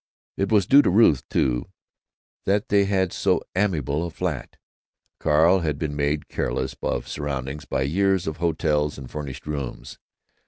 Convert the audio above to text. It was due to Ruth, too, that they had so amiable a flat. Carl had been made careless of surroundings by years of hotels and furnished rooms.